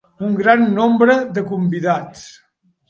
Un gran nombre de convidats.